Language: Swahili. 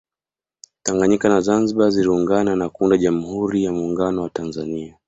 Tanganyika na Zanzibar ziliungana na kuunda Jamhuri ya Muungano wa Tanzania